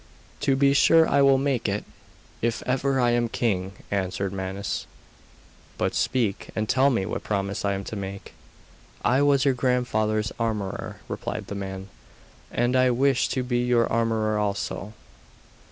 'To be sure I will make it, if ever I am king,' answered Manus. 'But speak, and tell me what promise I am to make.' 'I was your grandfather's armourer,' replied the man, 'and I wish to be your armourer also.